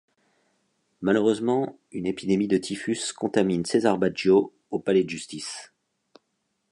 Malheureusement, une épidémie de typhus contamine César Baggio au palais de Justice.